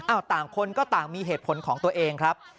ต่างคนก็ต่างมีเหตุผลของตัวเองครับ